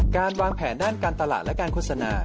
การวางแผนด้านการตลาดและการโฆษณา